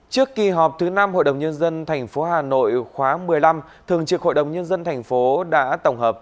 trước kỳ họp thứ năm hội đồng nhân dân tp hà nội khóa một mươi năm thường trực hội đồng nhân dân thành phố đã tổng hợp